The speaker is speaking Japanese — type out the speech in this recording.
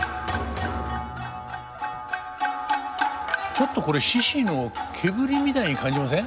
ちょっとこれ獅子の毛振りみたいに感じません？